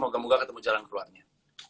moga moga ketemu jalan keluarnya